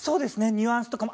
ニュアンスとかも。